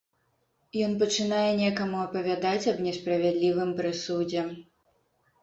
Ён пачынае некаму апавядаць аб несправядлівым прысудзе.